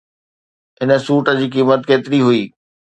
هن سوٽ جي قيمت ڪيتري هئي؟